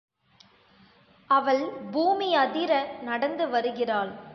அவள் பூமியதிர நடந்து வருகிறாள்.